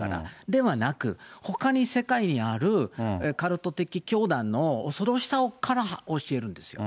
ではなく、ほかに世界にあるカルト的教団の恐ろしさから教えるんですよ。